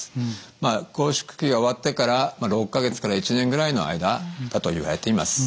まあ拘縮期が終わってから６か月から１年ぐらいの間だといわれています。